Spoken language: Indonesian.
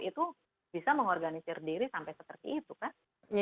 itu bisa mengorganisir diri sampai seperti itu kan